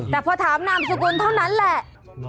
แต่พอถามนามสกุลเท่านั้นแหละ